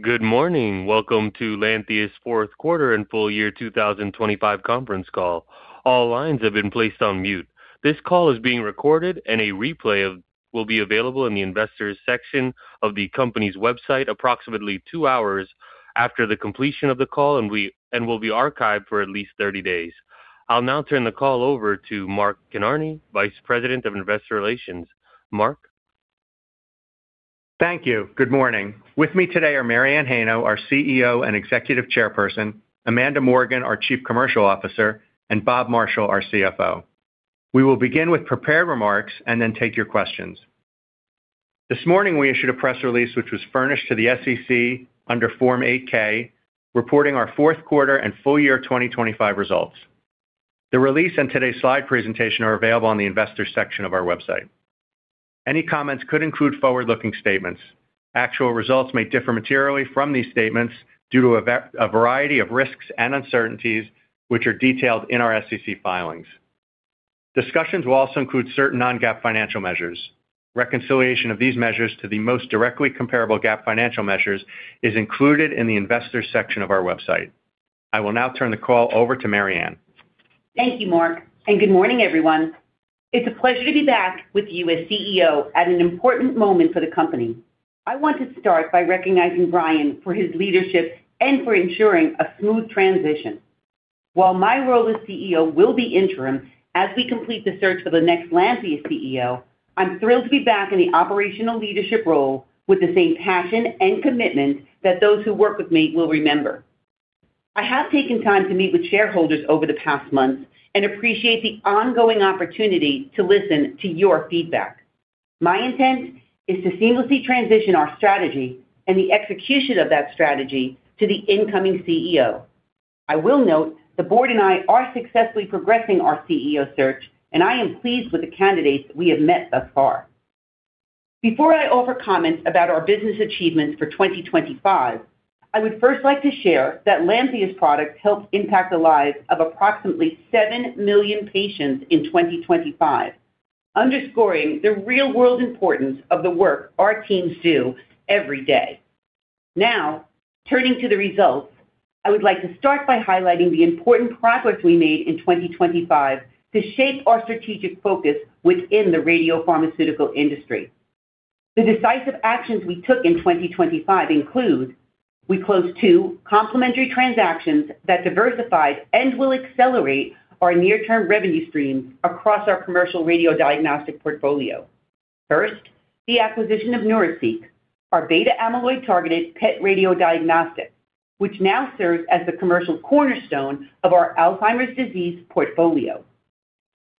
Good morning. Welcome to Lantheus' fourth quarter and full year 2025 conference call. All lines have been placed on mute. This call is being recorded. A replay will be available in the Investors section of the company's website approximately two hours after the completion of the call, and will be archived for at least 30 days. I'll now turn the call over to Mark Kinarney, Vice President of Investor Relations. Mark? Thank you. Good morning. With me today are Mary Anne Heino, our CEO and Executive Chairperson, Amanda Morgan, our Chief Commercial Officer, and Rob Marshall, our CFO. We will begin with prepared remarks and then take your questions. This morning, we issued a press release, which was furnished to the SEC under Form 8-K, reporting our fourth quarter and full year 2025 results. The release and today's slide presentation are available on the Investors section of our website. Any comments could include forward-looking statements. Actual results may differ materially from these statements due to a variety of risks and uncertainties, which are detailed in our SEC filings. Discussions will also include certain non-GAAP financial measures. Reconciliation of these measures to the most directly comparable GAAP financial measures is included in the Investors section of our website. I will now turn the call over to Mary Anne. Thank you, Mark, and good morning, everyone. It's a pleasure to be back with you as CEO at an important moment for the company. I want to start by recognizing Brian for his leadership and for ensuring a smooth transition. While my role as CEO will be interim as we complete the search for the next Lantheus CEO, I'm thrilled to be back in the operational leadership role with the same passion and commitment that those who work with me will remember. I have taken time to meet with shareholders over the past months and appreciate the ongoing opportunity to listen to your feedback. My intent is to seamlessly transition our strategy and the execution of that strategy to the incoming CEO. I will note, the board and I are successfully progressing our CEO search, and I am pleased with the candidates we have met thus far. Before I offer comments about our business achievements for 2025, I would first like to share that Lantheus products helped impact the lives of approximately seven million patients in 2025, underscoring the real-world importance of the work our teams do every day. Now, turning to the results, I would like to start by highlighting the important progress we made in 2025 to shape our strategic focus within the radiopharmaceutical industry. The decisive actions we took in 2025 include: We closed two complementary transactions that diversified and will accelerate our near-term revenue stream across our commercial radiodiagnostic portfolio. First, the acquisition of Neuraceq, our beta-amyloid-targeted PET radiodiagnostic, which now serves as the commercial cornerstone of our Alzheimer's disease portfolio.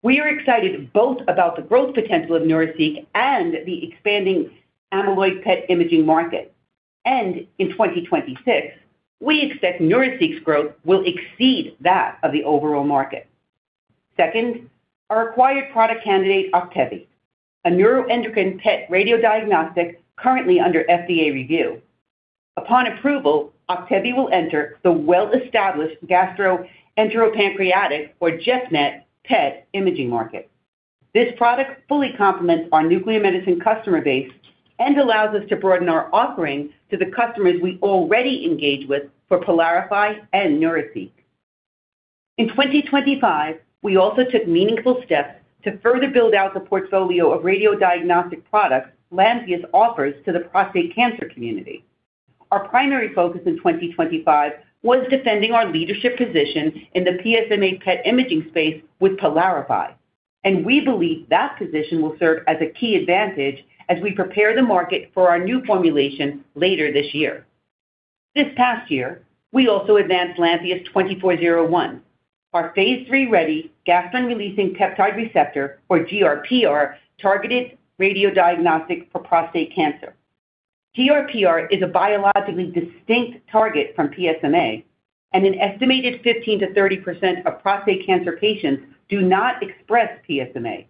We are excited both about the growth potential of Neuraceq and the expanding amyloid PET imaging market. In 2026, we expect Neuraceq's growth will exceed that of the overall market. Second, our acquired product candidate OCTEVY, a neuroendocrine PET radiodiagnostic currently under FDA review. Upon approval, OCTEVY will enter the well-established gastroenteropancreatic, or GEP-NET, PET imaging market. This product fully complements our nuclear medicine customer base and allows us to broaden our offerings to the customers we already engage with for PYLARIFY and Neuraceq. In 2025, we also took meaningful steps to further build out the portfolio of radiodiagnostic products Lantheus offers to the prostate cancer community. Our primary focus in 2025 was defending our leadership position in the PSMA PET imaging space with PYLARIFY, and we believe that position will serve as a key advantage as we prepare the market for our new formulation later this year. This past year, we also advanced Lantheus 2401, our Phase III ready gastrin-releasing peptide receptor, or GRPR, targeted radiodiagnostic for prostate cancer. GRPR is a biologically distinct target from PSMA. An estimated 15%-30% of prostate cancer patients do not express PSMA.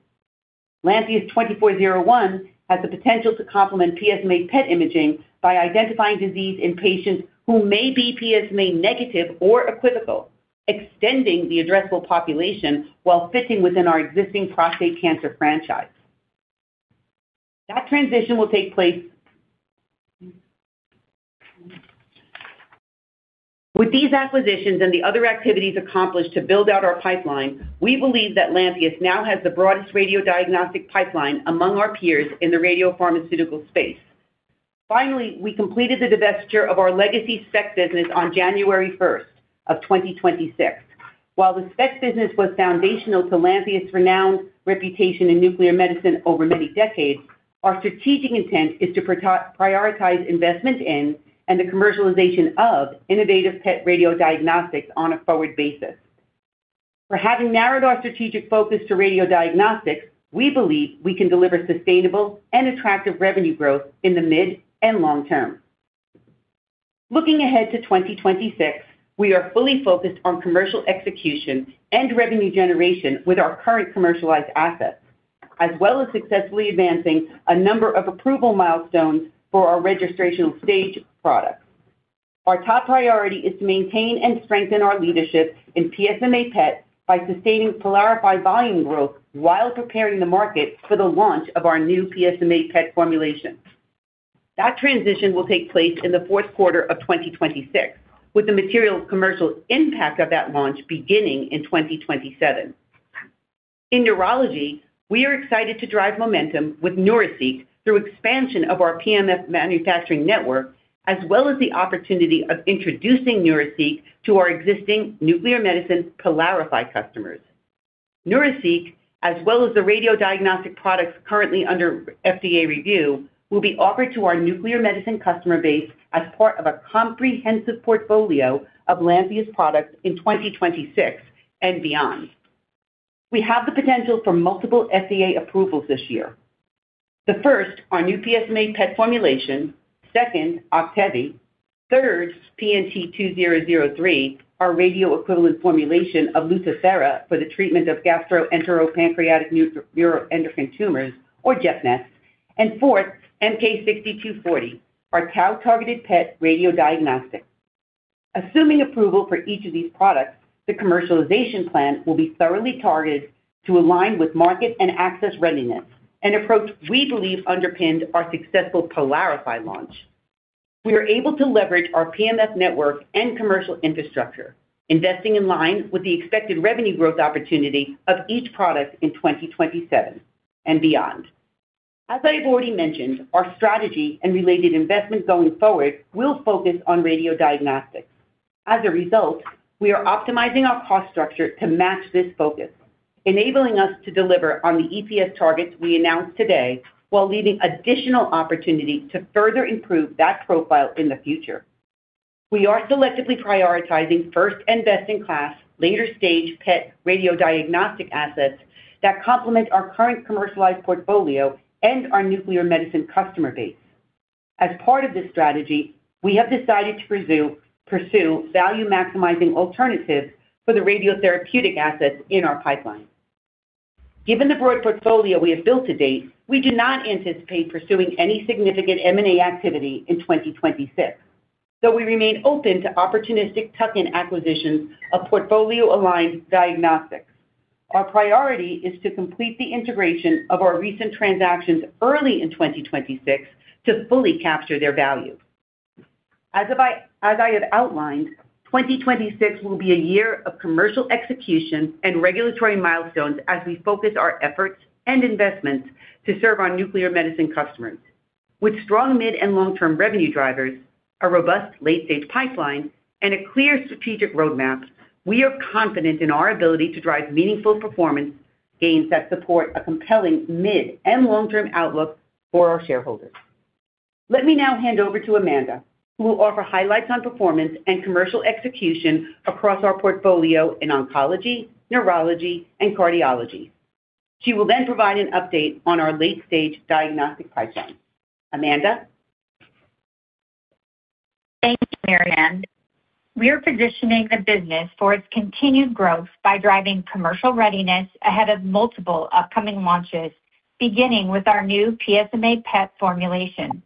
Lantheus 2401 has the potential to complement PSMA PET imaging by identifying disease in patients who may be PSMA negative or equivocal, extending the addressable population while fitting within our existing prostate cancer franchise. With these acquisitions and the other activities accomplished to build out our pipeline, we believe that Lantheus now has the broadest radiodiagnostic pipeline among our peers in the radiopharmaceutical space. Finally, we completed the divestiture of our legacy SPECT business on January 1st, 2026. While the SPECT business was foundational to Lantheus' renowned reputation in nuclear medicine over many decades, our strategic intent is to prioritize investment in, and the commercialization of, innovative PET radiodiagnostics on a forward basis. Having narrowed our strategic focus to radiodiagnostics, we believe we can deliver sustainable and attractive revenue growth in the mid and long term. Looking ahead to 2026, we are fully focused on commercial execution and revenue generation with our current commercialized assets, as well as successfully advancing a number of approval milestones for our registrational stage products. Our top priority is to maintain and strengthen our leadership in PSMA PET by sustaining PYLARIFY volume growth while preparing the market for the launch of our new PSMA PET formulation. That transition will take place in the fourth quarter of 2026, with the material commercial impact of that launch beginning in 2027. In neurology, we are excited to drive momentum with Neuraceq through expansion of our PMF manufacturing network, as well as the opportunity of introducing Neuraceq to our existing nuclear-medicine PYLARIFY customers. Neuraceq, as well as the radiodiagnostic products currently under FDA review, will be offered to our nuclear medicine customer base as part of a comprehensive portfolio of Lantheus products in 2026 and beyond. We have the potential for multiple FDA approvals this year. The first, our new PSMA PET formulation, second, OCTEVY, third, PNT2003, our radioequivalent formulation of Lutathera for the treatment of gastroenteropancreatic neuroendocrine tumors or GEP-NET, and fourth, MK-6240, our tau-targeted PET radiodiagnostic. Assuming approval for each of these products, the commercialization plan will be thoroughly targeted to align with market and access readiness, an approach we believe underpinned our successful PYLARIFY launch. We are able to leverage our PMF network and commercial infrastructure, investing in line with the expected revenue growth opportunity of each product in 2027 and beyond. As I have already mentioned, our strategy and related investments going forward will focus on radiodiagnostics. As a result, we are optimizing our cost structure to match this focus, enabling us to deliver on the EPS targets we announced today, while leaving additional opportunity to further improve that profile in the future. We are selectively prioritizing first and best-in-class later-stage PET radiodiagnostic assets that complement our current commercialized portfolio and our nuclear medicine customer base. As part of this strategy, we have decided to pursue value-maximizing alternatives for the radiotherapeutic assets in our pipeline. Given the broad portfolio we have built to date, we do not anticipate pursuing any significant M&A activity in 2026, though we remain open to opportunistic tuck-in acquisitions of portfolio-aligned diagnostics. Our priority is to complete the integration of our recent transactions early in 2026 to fully capture their value. As I have outlined, 2026 will be a year of commercial execution and regulatory milestones as we focus our efforts and investments to serve our nuclear medicine customers. With strong mid-and long-term revenue drivers, a robust late-stage pipeline, and a clear strategic roadmap, we are confident in our ability to drive meaningful performance gains that support a compelling mid-and long-term outlook for our shareholders. Let me now hand over to Amanda, who will offer highlights on performance and commercial execution across our portfolio in oncology, neurology, and cardiology. She will then provide an update on our late-stage diagnostic pipeline. Amanda? Thank you, Mary Anne. We are positioning the business for its continued growth by driving commercial readiness ahead of multiple upcoming launches, beginning with our new PSMA PET formulation.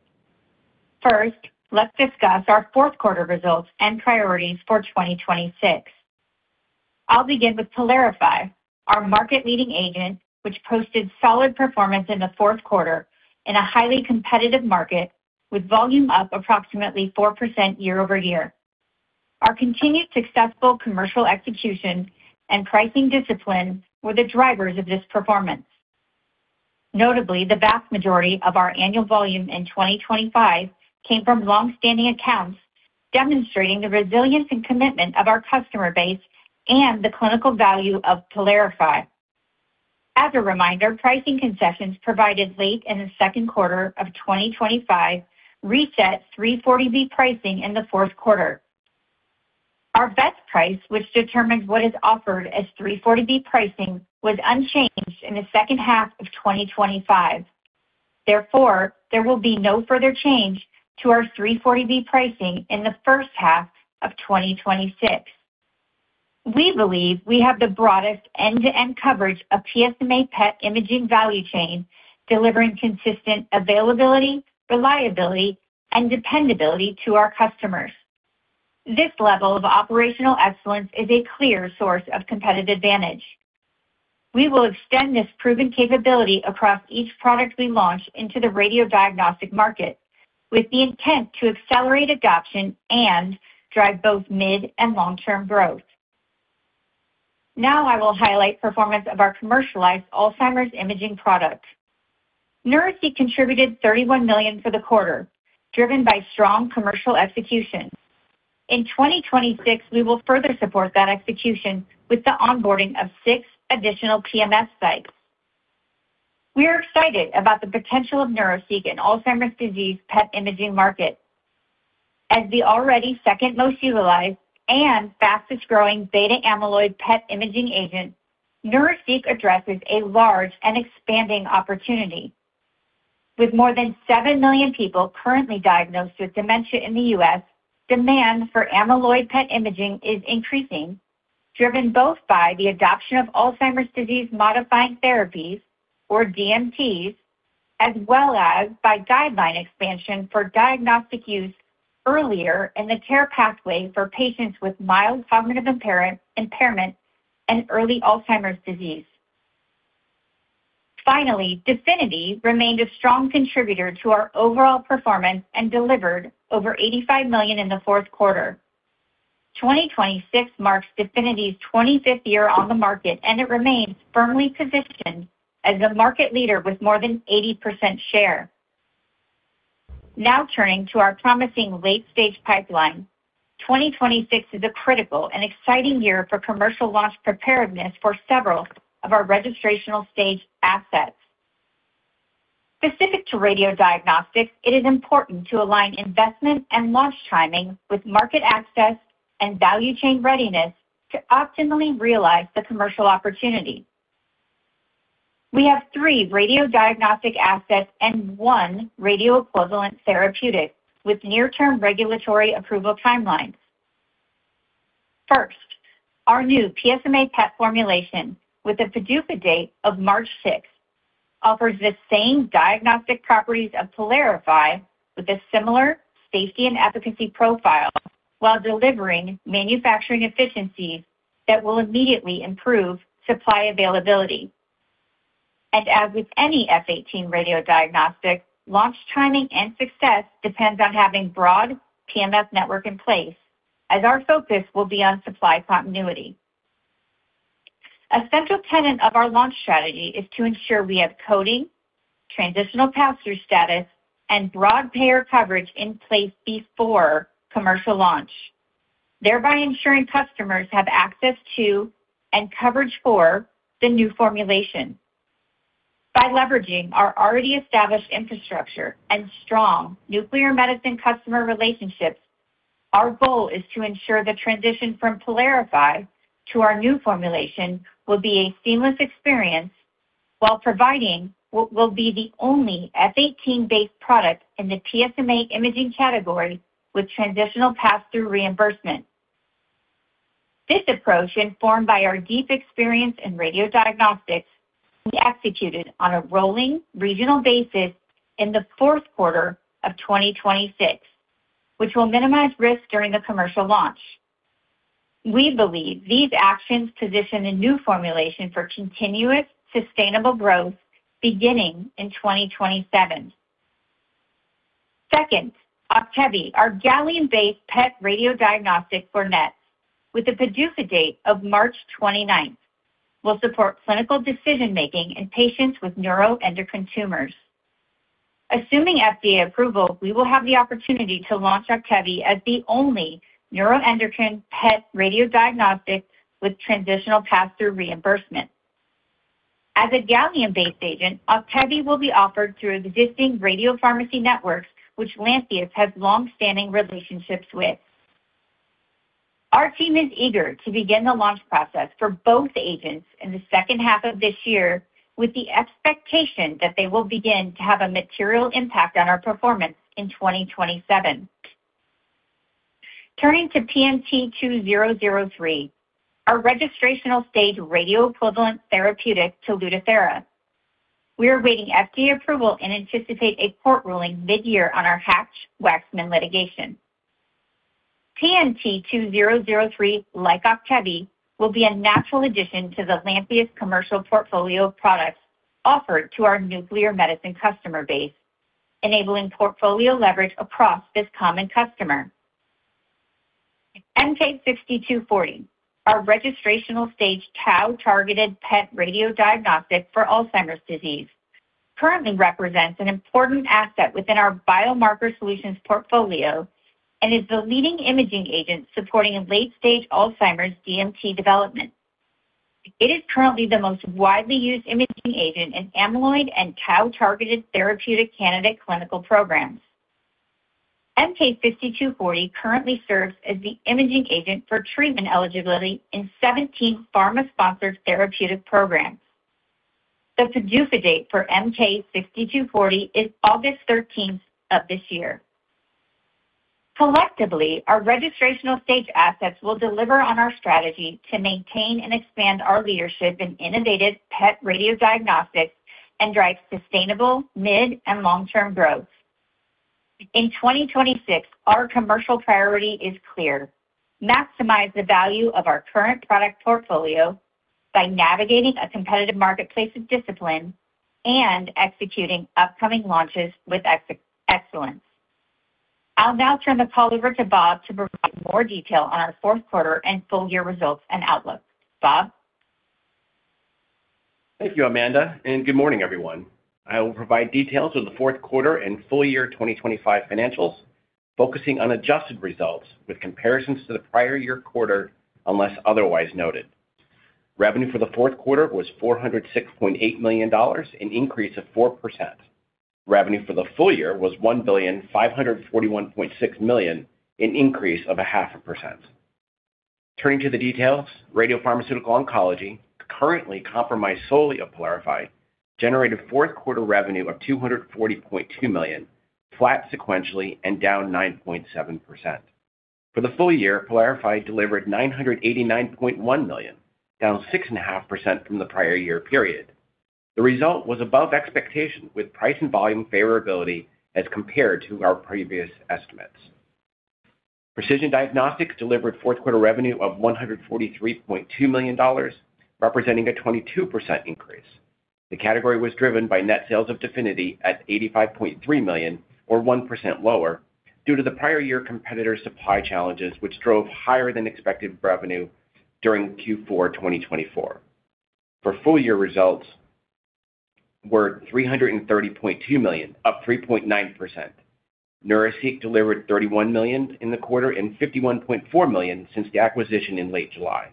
First, let's discuss our fourth quarter results and priorities for 2026. I'll begin with PYLARIFY, our market-leading agent, which posted solid performance in the fourth quarter in a highly competitive market, with volume up approximately 4% year-over-year. Our continued successful commercial execution and pricing discipline were the drivers of this performance. Notably, the vast majority of our annual volume in 2025 came from long-standing accounts, demonstrating the resilience and commitment of our customer base and the clinical value of PYLARIFY. As a reminder, pricing concessions provided late in the second quarter of 2025 reset 340B pricing in the fourth quarter. Our best price, which determines what is offered as 340B pricing, was unchanged in the second half of 2025. There will be no further change to our 340B pricing in the first half of 2026. We believe we have the broadest end-to-end coverage of PSMA PET imaging value chain, delivering consistent availability, reliability, and dependability to our customers. This level of operational excellence is a clear source of competitive advantage. We will extend this proven capability across each product we launch into the radiodiagnostic market, with the intent to accelerate adoption and drive both mid and long-term growth. I will highlight performance of our commercialized Alzheimer's imaging product. Neuraceq contributed $31 million for the quarter, driven by strong commercial execution. In 2026, we will further support that execution with the onboarding of six additional PMF sites. We are excited about the potential of Neuraceq in Alzheimer's disease PET imaging market. As the already second-most utilized and fastest-growing beta-amyloid PET imaging agent, Neuraceq addresses a large and expanding opportunity. With more than seven million people currently diagnosed with dementia in the U.S., demand for amyloid PET imaging is increasing, driven both by the adoption of Alzheimer's disease-modifying therapies, or DMTs, as well as by guideline expansion for diagnostic use earlier in the care pathway for patients with mild cognitive impairment and early Alzheimer's disease. Finally, DEFINITY remained a strong contributor to our overall performance and delivered over $85 million in the fourth quarter. 2026 marks DEFINITY's 25th year on the market, and it remains firmly positioned as the market leader with more than 80% share. Now turning to our promising late-stage pipeline. 2026 is a critical and exciting year for commercial launch preparedness for several of our registrational stage assets. Specific to radiodiagnostics, it is important to align investment and launch timing with market access and value chain readiness to optimally realize the commercial opportunity. We have three radiodiagnostic assets and one radioequivalent therapeutic with near-term regulatory approval timelines. First, our new PSMA PET formulation, with a PDUFA date of March 6th, offers the same diagnostic properties of PYLARIFY with a similar safety and efficacy profile, while delivering manufacturing efficiencies that will immediately improve supply availability. As with any F-18 radiodiagnostic, launch timing and success depends on having broad PMF network in place, as our focus will be on supply continuity. A central tenet of our launch strategy is to ensure we have coding, transitional pass-through status, and broad payer coverage in place before commercial launch, thereby ensuring customers have access to and coverage for the new formulation. By leveraging our already established infrastructure and strong nuclear medicine customer relationships, our goal is to ensure the transition from PYLARIFY to our new formulation will be a seamless experience while providing what will be the only F-18-based product in the PSMA imaging category with transitional pass-through reimbursement. This approach, informed by our deep experience in radiodiagnostics, will be executed on a rolling regional basis in the fourth quarter of 2026, which will minimize risk during the commercial launch. We believe these actions position a new formulation for continuous, sustainable growth beginning in 2027. Second, OCTEVY, our gallium-based PET radiodiagnostic for NETs, with a PDUFA date of March 29th, will support clinical decision-making in patients with neuroendocrine tumors. Assuming FDA approval, we will have the opportunity to launch OCTEVY as the only neuroendocrine PET radiodiagnostic with transitional pass-through reimbursement. As a gallium-based agent, OCTEVY will be offered through existing radiopharmacy networks, which Lantheus has long-standing relationships with. Our team is eager to begin the launch process for both agents in the second half of this year, with the expectation that they will begin to have a material impact on our performance in 2027. Turning to PNT2003, our registrational stage radioequivalent therapeutic to Lutathera. We are awaiting FDA approval and anticipate a court ruling mid-year on our Hatch-Waxman litigation. PNT2003, like OCTEVY, will be a natural addition to the Lantheus commercial portfolio of products offered to our nuclear medicine customer base, enabling portfolio leverage across this common customer. MK-6240, our registrational stage tau-targeted PET radiodiagnostic for Alzheimer's disease, currently represents an important asset within our biomarker solutions portfolio and is the leading imaging agent supporting late-stage Alzheimer's DMT development. It is currently the most widely used imaging agent in amyloid and tau-targeted therapeutic candidate clinical programs. MK-6240 currently serves as the imaging agent for treatment eligibility in 17 pharma-sponsored therapeutic programs. The PDUFA date for MK-6240 is August 13th of this year. Collectively, our registrational stage assets will deliver on our strategy to maintain and expand our leadership in innovative PET radiodiagnostics and drive sustainable mid and long-term growth. In 2026, our commercial priority is clear: maximize the value of our current product portfolio by navigating a competitive marketplace with discipline and executing upcoming launches with excellence. I'll now turn the call over to Rob to provide more detail on our fourth quarter and full-year results and outlook. Rob? Thank you, Amanda, good morning, everyone. I will provide details of the fourth quarter and full year 2025 financials, focusing on adjusted results with comparisons to the prior year quarter, unless otherwise noted. Revenue for the fourth quarter was $406.8 million, an increase of 4%. Revenue for the full year was $1.546 billion, an increase of a 0.5%. Turning to the details, radiopharmaceutical oncology, currently comprised solely of PYLARIFY, generated fourth quarter revenue of $240.2 million, flat sequentially and down 9.7%. For the full year, PYLARIFY delivered $989.1 million, down 6.5% from the prior year period. The result was above expectation, with price and volume favorability as compared to our previous estimates. Precision Diagnostics delivered fourth quarter revenue of $143.2 million, representing a 22% increase. The category was driven by net sales of DEFINITY at $85.3 million, or 1% lower, due to the prior year competitor supply challenges, which drove higher than expected revenue during Q4 2024. For full year, results were $330.2 million, up 3.9%. Neuraceq delivered $31 million in the quarter and $51.4 million since the acquisition in late July.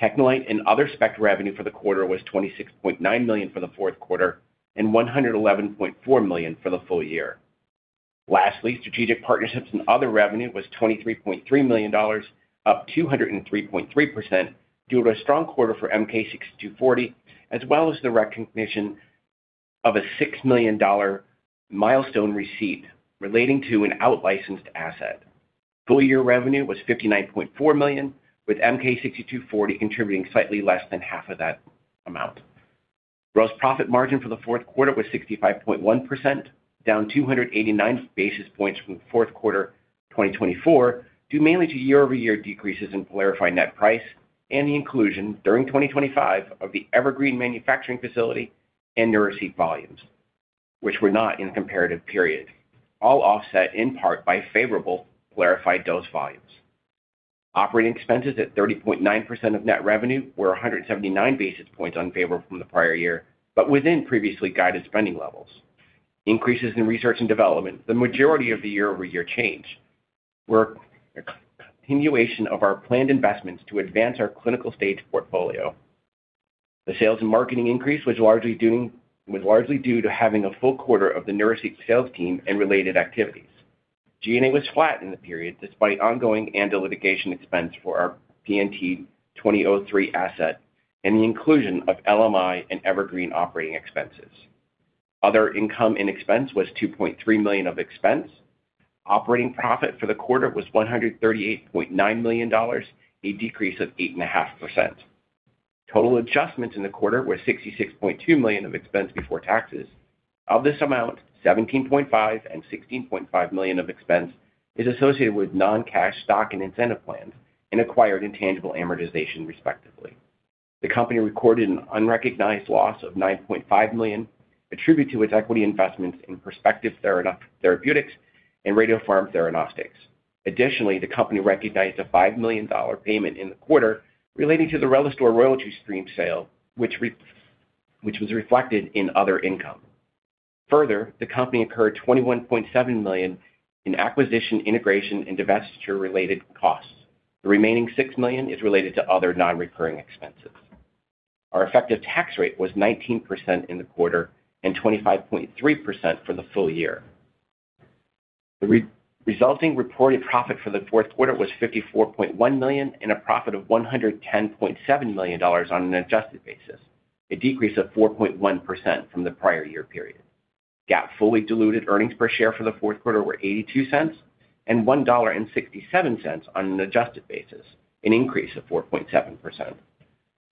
TechneLite and other SPECT revenue for the quarter was $26.9 million for the fourth quarter and $111.4 million for the full year. Strategic partnerships and other revenue was $23.3 million, up 203.3%, due to a strong quarter for MK-6240, as well as the recognition of a $6 million milestone receipt relating to an out-licensed asset. Full year revenue was $59.4 million, with MK-6240 contributing slightly less than half of that amount. Gross profit margin for the fourth quarter was 65.1%, down 289 basis points from the fourth quarter 2024, due mainly to year-over-year decreases in PYLARIFY net price and the inclusion during 2025 of the Evergreen manufacturing facility and Neuraceq volumes, which were not in the comparative period, all offset in part by favorable PYLARIFY dose volumes. Operating expenses at 30.9% of net revenue were 179 basis points unfavorable from the prior year, but within previously guided spending levels. Increases in research and development, the majority of the year-over-year change, were a continuation of our planned investments to advance our clinical stage portfolio. The sales and marketing increase was largely due to having a full quarter of the Neuraceq sales team and related activities. G&A was flat in the period, despite ongoing and a litigation expense for our PNT2003 asset and the inclusion of LMI and Evergreen operating expenses. Other income and expense was $2.3 million of expense. Operating profit for the quarter was $138.9 million, a decrease of 8.5%. Total adjustments in the quarter were $66.2 million of expense before taxes. Of this amount, $17.5 million and $16.5 million of expense is associated with non-cash stock and incentive plans and acquired intangible amortization, respectively. The company recorded an unrecognized loss of $9.5 million, attributed to its equity investments in Perspective Therapeutics and Radiopharm Theranostics. Additionally, the company recognized a $5 million payment in the quarter relating to the RELISTOR royalty stream sale, which was reflected in other income. Further, the company incurred $21.7 million in acquisition, integration and divestiture-related costs. The remaining $6 million is related to other non-recurring expenses. Our effective tax rate was 19% in the quarter and 25.3% for the full year. The resulting reported profit for the fourth quarter was $54.1 million, and a profit of $110.7 million on an adjusted basis, a decrease of 4.1% from the prior year period. GAAP fully diluted earnings per share for the fourth quarter were $0.82 and $1.67 on an adjusted basis, an increase of 4.7%.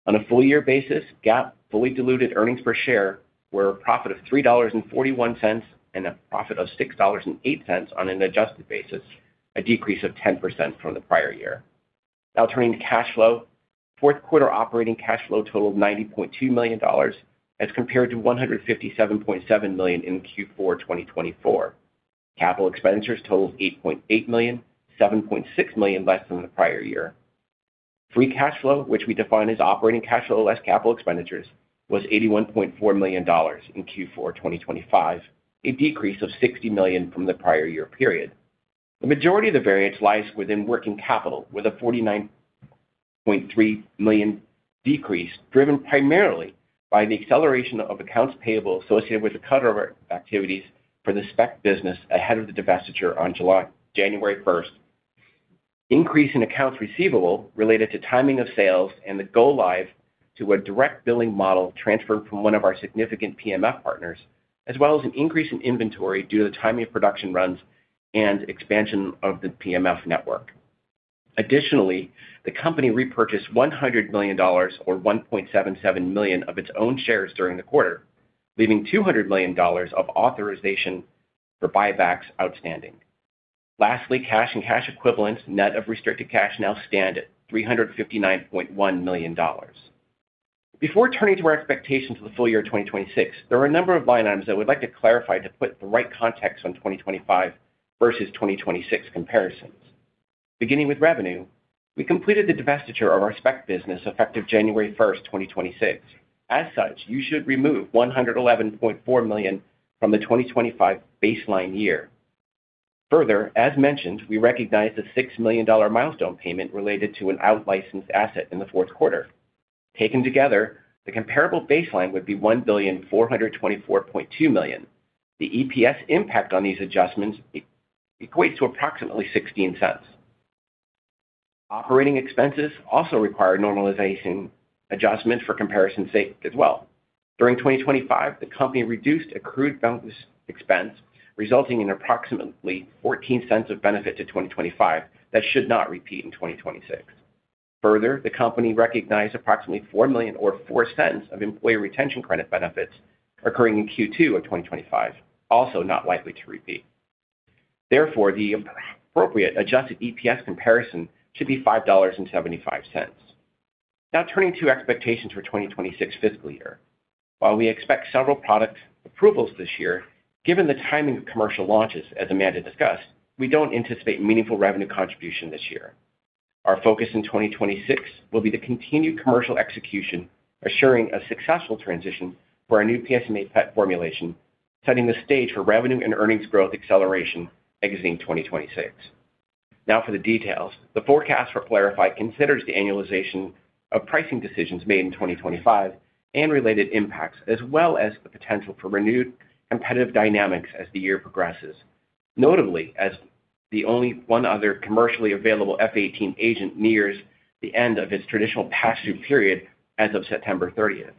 On a full year basis, GAAP fully diluted earnings per share were a profit of $3.41 and a profit of $6.08 on an adjusted basis, a decrease of 10% from the prior year. Turning to cash flow. Fourth quarter operating cash flow totaled $90.2 million, as compared to $157.7 million in Q4 2024. Capital expenditures totaled $8.8 million, $7.6 million less than the prior year. Free cash flow, which we define as operating cash flow less capital expenditures, was $81.4 million in Q4 2025, a decrease of $60 million from the prior year period. The majority of the variance lies within working capital, with a $49.3 million decrease, driven primarily by the acceleration of accounts payable associated with the cutover activities for the SPECT business ahead of the divestiture on January 1st. Increase in accounts receivable related to timing of sales and the go-live to a direct billing model transferred from one of our significant PMF partners, as well as an increase in inventory due to the timing of production runs and expansion of the PMF network. Additionally, the company repurchased $100 million, or 1.77 million of its own shares during the quarter, leaving $200 million of authorization for buybacks outstanding. Lastly, cash and cash equivalents, net of restricted cash, now stand at $359.1 million. Before turning to our expectations for the full year 2026, there are a number of line items that we'd like to clarify to put the right context on 2025 versus 2026 comparisons. Beginning with revenue, we completed the divestiture of our SPECT business effective January 1st, 2026. As such, you should remove $111.4 million from the 2025 baseline year. Further, as mentioned, we recognized a $6 million milestone payment related to an out-licensed asset in the fourth quarter. Taken together, the comparable baseline would be $1,424.2 million. The EPS impact on these adjustments equates to approximately $0.16. Operating expenses also require normalization adjustments for comparison's sake as well. During 2025, the company reduced accrued bonus expense, resulting in approximately $0.14 of benefit to 2025. That should not repeat in 2026. Further, the company recognized approximately $4 million or $0.04 of employee retention credit benefits occurring in Q2 of 2025, also not likely to repeat. Therefore, the appropriate adjusted EPS comparison should be $5.75. Turning to expectations for 2026 fiscal year. While we expect several product approvals this year, given the timing of commercial launches, as Amanda discussed, we don't anticipate meaningful revenue contribution this year. Our focus in 2026 will be the continued commercial execution, assuring a successful transition for our new PSMA PET formulation, setting the stage for revenue and earnings growth acceleration exiting 2026. For the details. The forecast for PYLARIFY considers the annualization of pricing decisions made in 2025 and related impacts, as well as the potential for renewed competitive dynamics as the year progresses. Notably, as the only one other commercially available F-18 agent nears the end of his transitional pass-through period as of September 30th.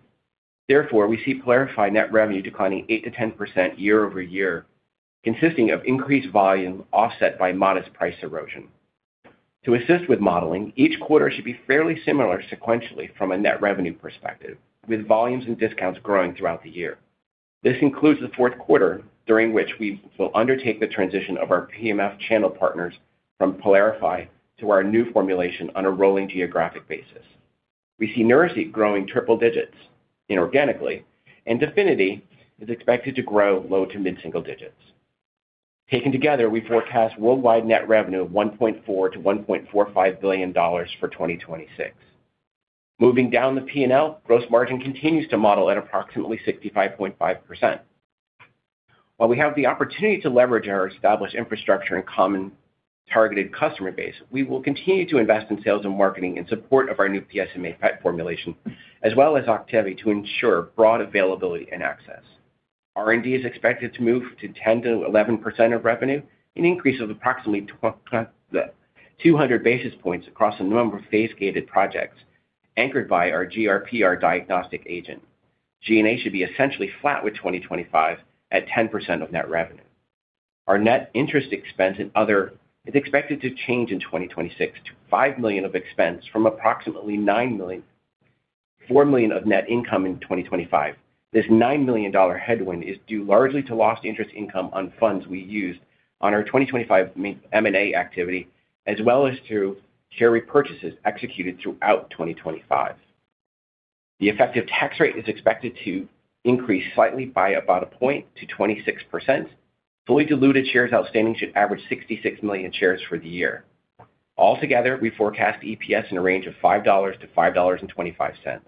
We see PYLARIFY net revenue declining 8%-10% year-over-year, consisting of increased volume, offset by modest price erosion. To assist with modeling, each quarter should be fairly similar sequentially from a net revenue perspective, with volumes and discounts growing throughout the year. This includes the fourth quarter, during which we will undertake the transition of our PMF channel partners from PYLARIFY to our new formulation on a rolling geographic basis. We see Neuraceq growing triple digits inorganically. DEFINITY is expected to grow low to mid-single digits. Taken together, we forecast worldwide net revenue of $1.4 billion-$1.45 billion for 2026. Moving down the P&L, gross margin continues to model at approximately 65.5%. While we have the opportunity to leverage our established infrastructure and common targeted customer base, we will continue to invest in sales and marketing in support of our new PSMA PET formulation, as well as OCTEVY, to ensure broad availability and access. R&D is expected to move to 10%-11% of revenue, an increase of approximately 200 basis points across a number of phase-gated projects, anchored by our GRPR diagnostic agent. G&A should be essentially flat with 2025 at 10% of net revenue. Our net interest expense and other is expected to change in 2026 to $5 million of expense from approximately $9 million-$4 million of net income in 2025. This $9 million headwind is due largely to lost interest income on funds we used on our 2025 M&A activity, as well as through share repurchases executed throughout 2025. The effective tax rate is expected to increase slightly by about a point to 26%. Fully diluted shares outstanding should average 66 million shares for the year. Altogether, we forecast EPS in a range of $5.00-$5.25.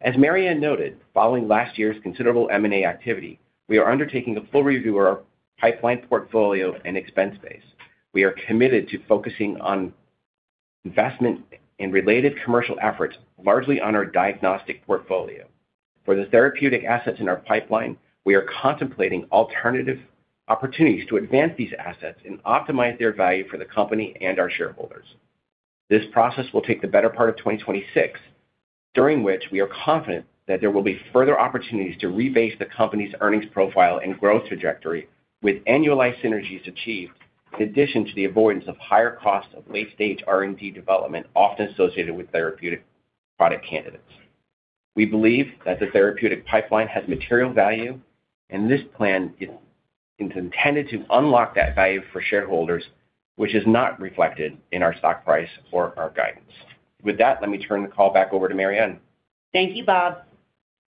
As Mary Anne noted, following last year's considerable M&A activity, we are undertaking a full review of our pipeline portfolio and expense base. We are committed to focusing on investment in related commercial efforts, largely on our diagnostic portfolio. For the therapeutic assets in our pipeline, we are contemplating alternative opportunities to advance these assets and optimize their value for the company and our shareholders. This process will take the better part of 2026, during which we are confident that there will be further opportunities to rebase the company's earnings profile and growth trajectory with annualized synergies achieved, in addition to the avoidance of higher costs of late-stage R&D development, often associated with therapeutic product candidates. We believe that the therapeutic pipeline has material value, this plan is intended to unlock that value for shareholders, which is not reflected in our stock price or our guidance. With that, let me turn the call back over to Mary Anne. Thank you, Rob.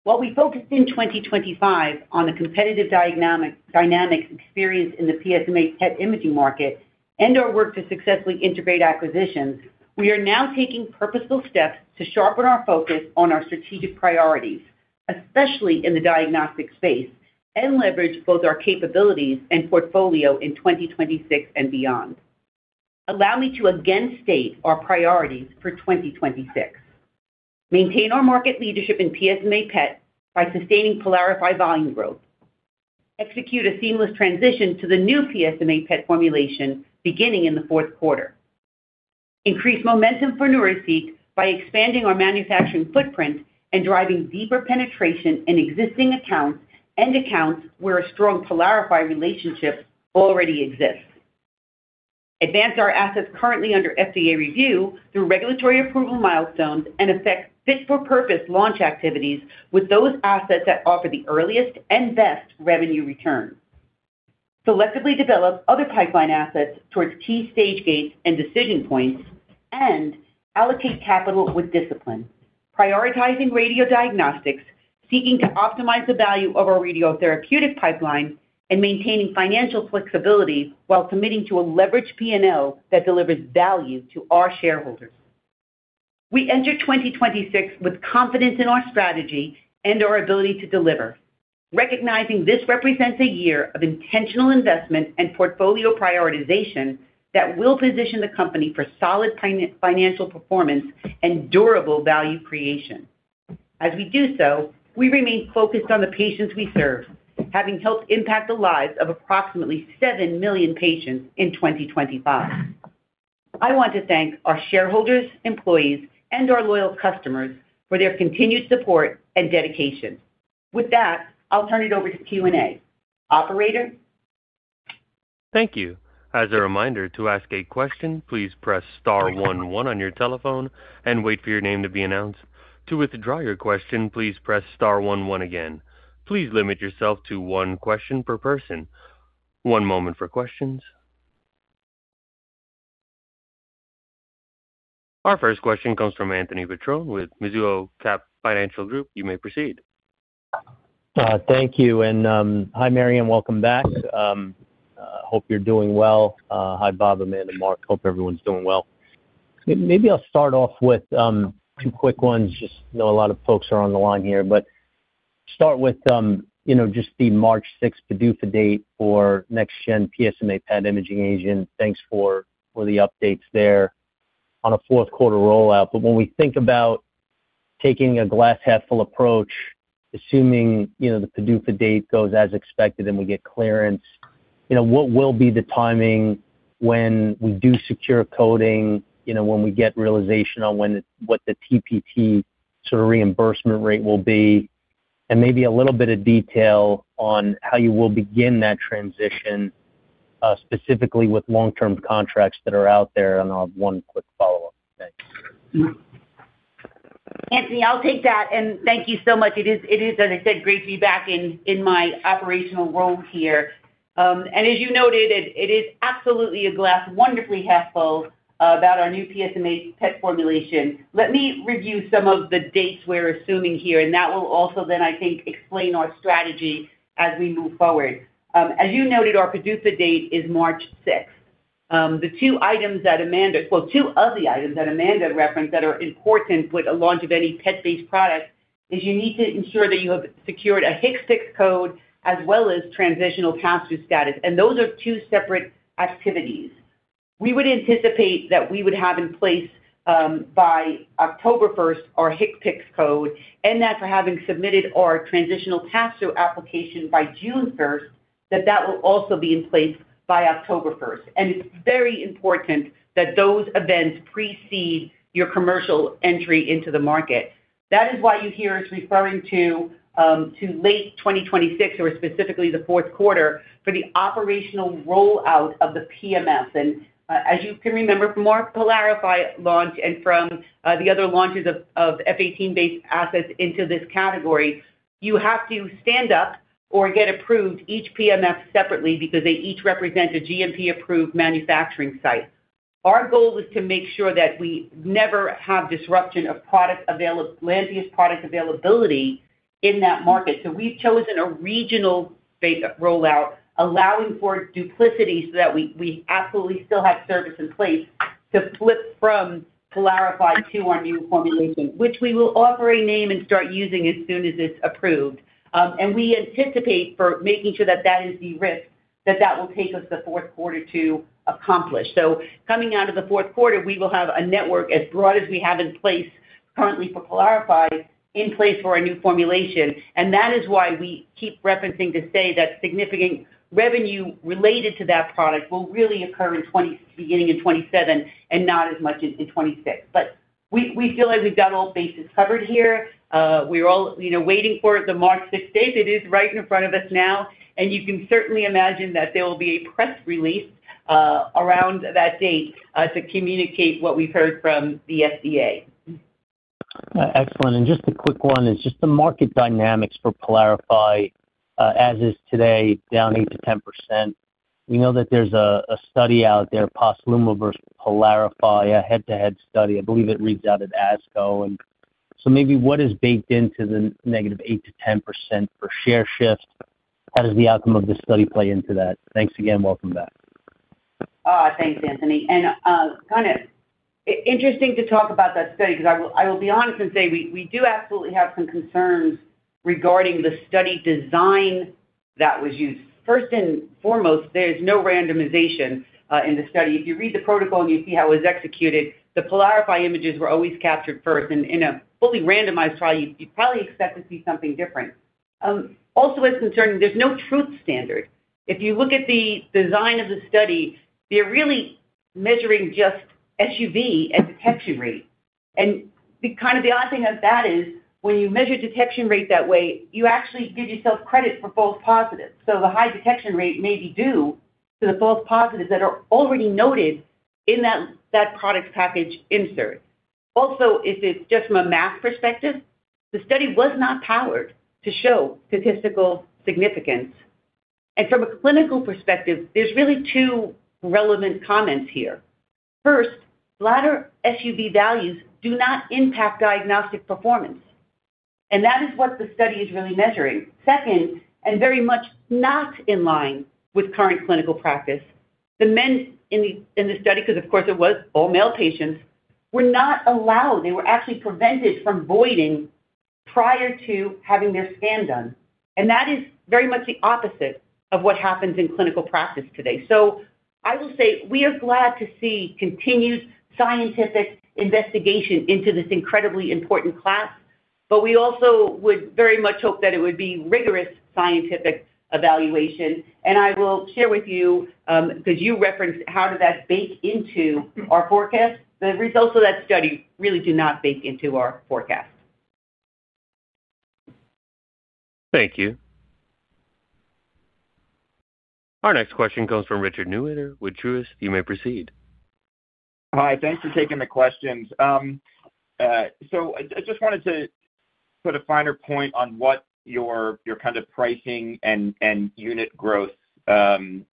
While we focused in 2025 on the competitive dynamics experienced in the PSMA PET imaging market and our work to successfully integrate acquisitions, we are now taking purposeful steps to sharpen our focus on our strategic priorities, especially in the diagnostic space, and leverage both our capabilities and portfolio in 2026 and beyond. Allow me to again state our priorities for 2026. Maintain our market leadership in PSMA PET by sustaining PYLARIFY volume growth. Execute a seamless transition to the new PSMA PET formulation beginning in the fourth quarter. Increase momentum for Neuraceq by expanding our manufacturing footprint and driving deeper penetration in existing accounts and accounts where a strong PYLARIFY relationship already exists. Advance our assets currently under FDA review through regulatory approval milestones and effect fit-for-purpose launch activities with those assets that offer the earliest and best revenue return. Selectively develop other pipeline assets towards key stage gates and decision points, and allocate capital with discipline, prioritizing radiodiagnostics, seeking to optimize the value of our radiotherapeutic pipeline, and maintaining financial flexibility while committing to a leveraged P&L that delivers value to our shareholders. We enter 2026 with confidence in our strategy and our ability to deliver, recognizing this represents a year of intentional investment and portfolio prioritization that will position the company for solid financial performance and durable value creation. We do so, we remain focused on the patients we serve, having helped impact the lives of approximately seven million patients in 2025. I want to thank our shareholders, employees, and our loyal customers for their continued support and dedication. I'll turn it over to Q&A. Operator? Thank you. As a reminder, to ask a question, please press star one one on your telephone and wait for your name to be announced. To withdraw your question, please press star one one again. Please limit yourself to one question per person. One moment for questions. Our first question comes from Anthony Petrone with Mizuho Financial Group. You may proceed. Thank you, hi, Mary Anne, welcome back. Hope you're doing well. Hi, Rob, Amanda, Mark, hope everyone's doing well. Maybe I'll start off with two quick ones. Just know a lot of folks are on the line here, but start with, you know, just the March 6th PDUFA date for next gen PSMA PET imaging agent. Thanks for the updates there on a fourth quarter rollout. When we think about taking a glass half full approach, assuming, you know, the PDUFA date goes as expected, and we get clearance, you know, what will be the timing when we do secure coding, you know, when we get realization on what the TPT sort of reimbursement rate will be, and maybe a little bit of detail on how you will begin that transition, specifically with long-term contracts that are out there, and I'll have one quick follow-up. Thanks. Anthony, I'll take that, thank you so much. It is, as I said, great to be back in my operational role here. As you noted, it is absolutely a glass wonderfully half full about our new PSMA PET formulation. Let me review some of the dates we're assuming here, that will also then, I think, explain our strategy as we move forward. As you noted, our PDUFA date is March 6th. The two items that Amanda referenced that are important with the launch of any PET-based product, is you need to ensure that you have secured a HCPCS code as well as transitional pass-through status, those are two separate activities. We would anticipate that we would have in place by October 1st, our HCPCS code, and that for having submitted our transitional pass-through application by June 1st, that will also be in place by October 1st. It's very important that those events precede your commercial entry into the market. That is why you hear us referring to late 2026, or specifically the fourth quarter, for the operational rollout of the PMF. As you can remember from our PYLARIFY launch and from the other launches of F-18-based assets into this category, you have to stand up or get approved each PMF separately because they each represent a GMP-approved manufacturing site. Our goal is to make sure that we never have disruption of product Lantheus product availability in that market. We've chosen a regional-based rollout, allowing for duplicity so that we absolutely still have service in place to flip from PYLARIFY to our new formulation, which we will offer a name and start using as soon as it's approved. And we anticipate for making sure that that is the risk, that will take us the fourth quarter to accomplish. Coming out of the fourth quarter, we will have a network as broad as we have in place currently for PYLARIFY in place for our new formulation, and that is why we keep referencing to say that significant revenue related to that product will really occur beginning in 2027 and not as much in 2026. We feel like we've got all bases covered here. We're all, you know, waiting for the March sixth date. It is right in front of us now, and you can certainly imagine that there will be a press release, around that date, to communicate what we've heard from the FDA. Excellent. Just a quick one is just the market dynamics for PYLARIFY, as is today, down 8%-10%. We know that there's a study out there, POSLUMA versus PYLARIFY, a head-to-head study. I believe it reads out at ASCO. Maybe what is baked into the -8%-10% per share shift? How does the outcome of the study play into that? Thanks again. Welcome back. Thanks, Anthony. kind of interesting to talk about that study, because I will be honest and say we do absolutely have some concerns regarding the study design that was used. First and foremost, there's no randomization in the study. If you read the protocol and you see how it was executed, the PYLARIFY images were always captured first. In a fully randomized trial, you'd probably expect to see something different. Also what's concerning, there's no truth standard. If you look at the design of the study, they're really measuring just SUV and detection rate. The kind of the odd thing about that is, when you measure detection rate that way, you actually give yourself credit for false positives. The high detection rate may be due to the false positives that are already noted in that product package insert. Also, if it's just from a math perspective, the study was not powered to show statistical significance. From a clinical perspective, there's really two relevant comments here. First, bladder SUV values do not impact diagnostic performance, and that is what the study is really measuring. Second, and very much not in line with current clinical practice, the men in the study, because of course it was all male patients, were not allowed. They were actually prevented from voiding prior to having their scan done. That is very much the opposite of what happens in clinical practice today. I will say we are glad to see continued scientific investigation into this incredibly important class, but we also would very much hope that it would be rigorous scientific evaluation. I will share with you, because you referenced, how did that bake into our forecast? The results of that study really do not bake into our forecast. Thank you. Our next question comes from Richard Newitter with Truist. You may proceed. Hi, thanks for taking the questions. I just wanted to put a finer point on what your kind of pricing and unit growth played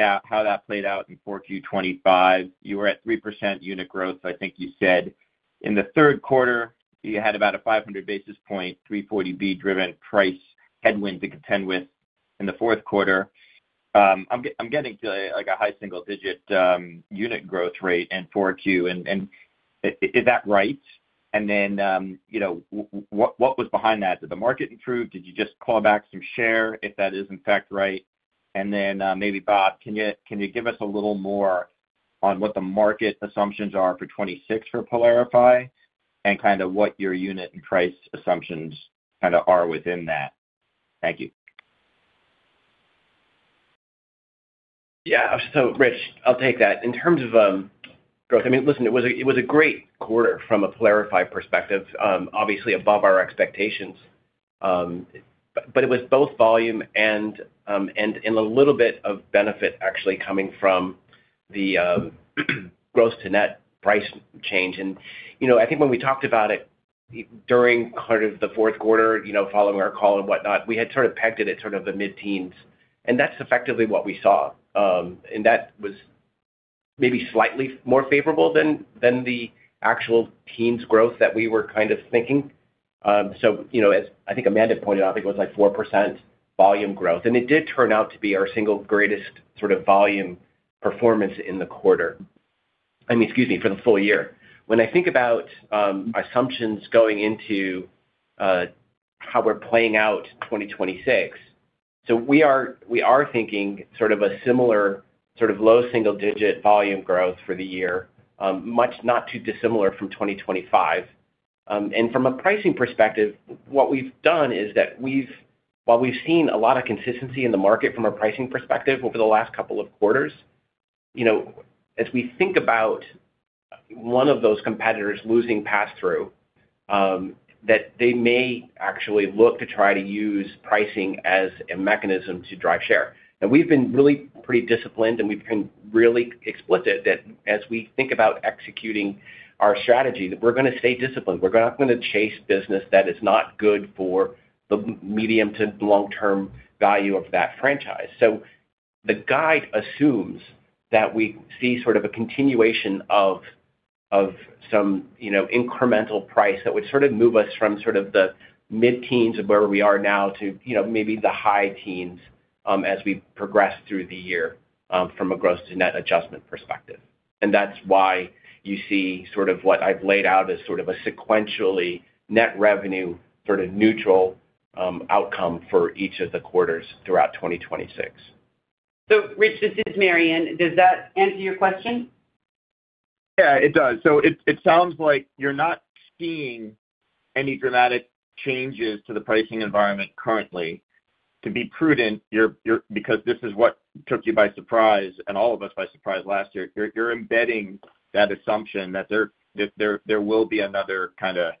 out, how that played out in 4Q 2025. You were at 3% unit growth, I think you said. In the third quarter, you had about a 500 basis points, 340B driven price headwind to contend with in the fourth quarter. I'm getting to, like, a high single digit unit growth rate in 4Q. Is that right? You know, what was behind that? Did the market improve? Did you just call back some share, if that is in fact right? Maybe, Rob, can you give us a little more on what the market assumptions are for 26 for PYLARIFY and kinda what your unit and price assumptions kinda are within that? Thank you. Rich, I'll take that. In terms of growth, I mean, listen, it was a great quarter from a PYLARIFY perspective. Obviously above our expectations. It was both volume and a little bit of benefit actually coming from the gross to net price change. You know, I think when we talked about it during kind of the fourth quarter, you know, following our call and whatnot, we had sort of pegged it at sort of the mid-teens, and that's effectively what we saw. That was maybe slightly more favorable than the actual teens growth that we were kind of thinking. You know, as I think Amanda pointed out, I think it was like 4% volume growth, and it did turn out to be our single greatest sort of volume performance in the quarter. I mean, excuse me, for the full year. When I think about assumptions going into how we're playing out 2026, we are thinking sort of a similar sort of low single-digit volume growth for the year. Much not too dissimilar from 2025. From a pricing perspective, what we've done is that while we've seen a lot of consistency in the market from a pricing perspective over the last couple of quarters, you know, as we think about one of those competitors losing pass-through, that they may actually look to try to use pricing as a mechanism to drive share. We've been really pretty disciplined, and we've been really explicit that as we think about executing our strategy, that we're gonna stay disciplined. We're not gonna chase business that is not good for the medium to long-term value of that franchise. The guide assumes that we see sort of a continuation of some, you know, incremental price that would sort of move us from sort of the mid-teens of where we are now to, you know, maybe the high teens as we progress through the year from a gross to net adjustment perspective. That's why you see sort of what I've laid out as sort of a sequentially net revenue, sort of neutral outcome for each of the quarters throughout 2026. Rich, this is Mary Anne. Does that answer your question? Yeah, it does. It sounds like you're not seeing any dramatic changes to the pricing environment currently. To be prudent, you're because this is what took you by surprise and all of us by surprise last year, you're embedding that assumption that there will be another kinda